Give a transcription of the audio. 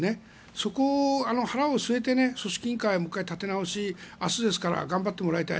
そこを、腹を据えて組織委員会はもう１回立て直し明日ですから頑張っていただきたい。